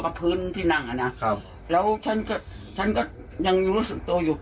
พระทืบแล้วก็พลิกโค้งด้วย